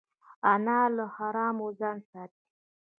انا له حرامو ځان ساتي